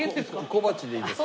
小鉢でいいです。